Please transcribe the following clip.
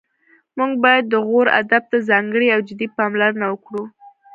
موږ باید د غور ادب ته ځانګړې او جدي پاملرنه وکړو